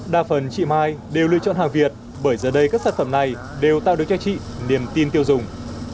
đa phần chị mai đều lựa chọn hàng việt bởi giờ đây các sản phẩm này đều tạo được cho chị niềm tin tiêu dùng